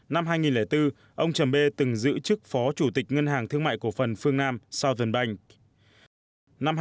năm hai nghìn bốn ông trầm bê từng giữ chức phó chủ tịch ngân hàng thương mại cổ phần phương nam sau tuần banh